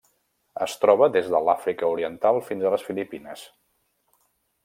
Es troba des de l'Àfrica Oriental fins a les Filipines.